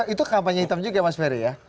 itu kampanye hitam juga mas ferry ya